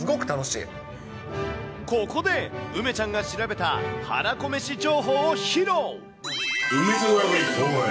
ここで、梅ちゃんが調べたはらこ飯情報を披露。